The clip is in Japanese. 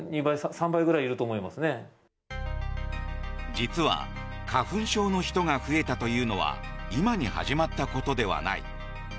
実は花粉症の人が増えたというのは今に始まったことではない。